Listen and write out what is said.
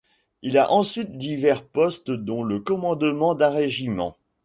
Il a ensuite divers postes dont le commandement d'un régiment.